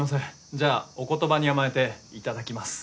じゃあお言葉に甘えていただきます。